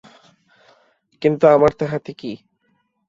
কিন্তু, আমার তাহাতে কী।